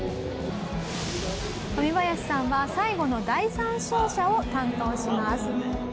トミバヤシさんは最後の第３走者を担当します。